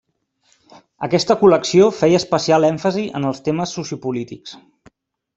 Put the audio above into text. Aquesta col·lecció feia especial èmfasi en els temes sociopolítics.